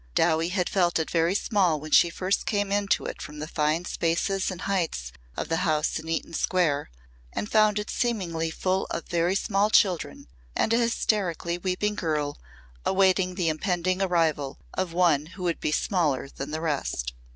Dowie had felt it very small when she first came to it from the fine spaces and heights of the house in Eaton Square and found it seemingly full of very small children and a hysterically weeping girl awaiting the impending arrival of one who would be smaller than the rest.